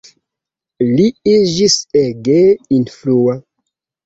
Li iĝis ege influa.